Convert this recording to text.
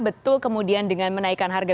betul kemudian dengan menaikkan harga